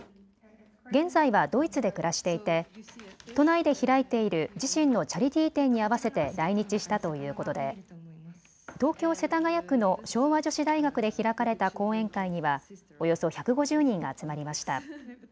現在はドイツで暮らしていて都内で開いている自身のチャリティー展に合わせて来日したということで東京世田谷区の昭和女子大学で開かれた講演会にはおよそ１５０人が集まりました。